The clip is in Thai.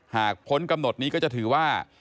พ้นกำหนดนี้ก็จะถือว่า